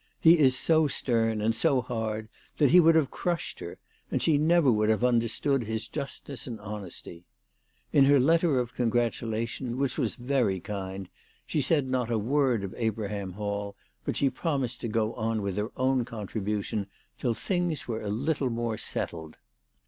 " He is so stern and so hard that he would have crushed her, and she never would have understood his justness and honesty." In her letter of congratulation, which was very kind, she said not a word of Abraham Hall, but she promised to go on with her own con tribution till things were a little more settled.